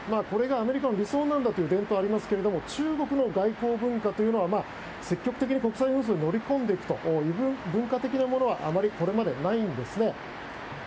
これがアメリカの理想なんだという伝統がありますけれども中国の外交文化というのは積極的に国際紛争に乗り込んでいくという文化的なものはあまりこれまでないんですね。